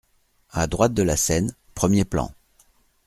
A droite de la scène, premier plan.